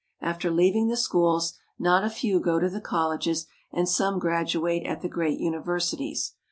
After leaving the schools, not a few go to the colleges, and some graduate at the great universities.